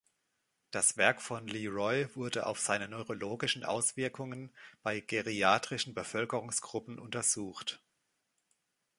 Das Werk von Leroy wurde auf seine neurologischen Auswirkungen bei geriatrischen Bevölkerungsgruppen untersucht.